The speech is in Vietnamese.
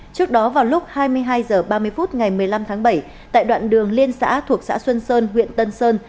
trước đó vào lúc hai mươi hai h ba mươi phút ngày một mươi năm tháng bảy tại đoạn đường liên xã thuộc xã xuân sơn huyện tân sơn